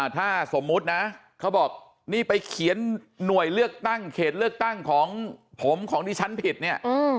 ถ้าสมมุตินะเขาบอกนี่ไปเขียนหน่วยเลือกตั้งเขตเลือกตั้งของผมของที่ฉันผิดเนี่ย